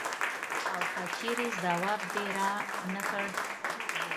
او که چېرې ځواب دې رانه کړ.